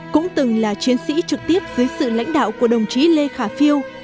cũng từng là chiến sĩ trực tiếp dưới sự lãnh đạo của đồng chí lê khả phiêu